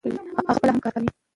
هغه پخپله هم کار کوي.